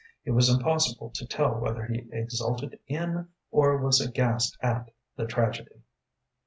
It was impossible to tell whether he exulted in or was aghast at the tragedy.